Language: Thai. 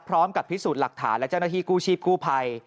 พร้อมกับพิสูจน์หลักฐานและเจ้าหน้าที่กู้ชีพกู้ภัย